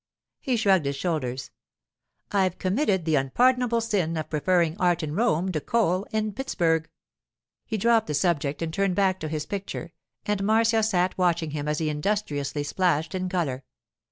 He shrugged his shoulders. 'I've committed the unpardonable sin of preferring art in Rome to coal in Pittsburg.' He dropped the subject and turned back to his picture, and Marcia sat watching him as he industriously splashed in colour.